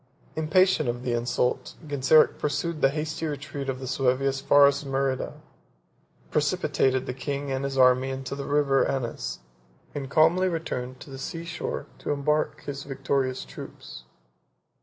Impatient of the insult, Genseric pursued the hasty retreat of the Suevi as far as Merida; precipitated the king and his army into the River Anas, and calmly returned to the sea shore to embark his victorious troops.